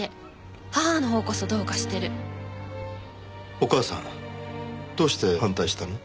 お母さんどうして反対したの？